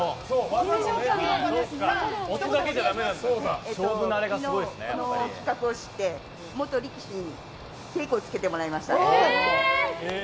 昨日、この企画を知って元力士に稽古をつけてもらいました。